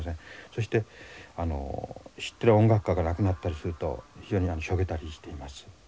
そしてあの知ってる音楽家が亡くなったりすると非常にしょげたりしています。